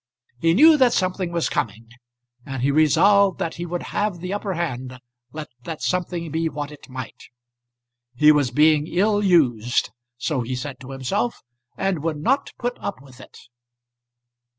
He knew that something was coming, and he resolved that he would have the upper hand let that something be what it might. He was being ill used, so he said to himself and would not put up with it.